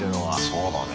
そうだね。